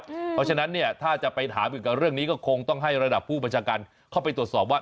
เพราะฉะนั้นเนี่ยถ้าจะไปถามเกี่ยวกับเรื่องนี้ก็คงต้องให้ระดับผู้บัญชาการเข้าไปตรวจสอบว่า